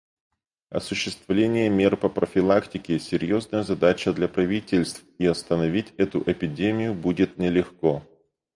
Осуществление мер по профилактике — серьезная задача для правительств, и остановить эту эпидемию будет нелегко.